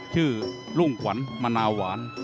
ชื่อรุ่งหวันมะนาวหวาน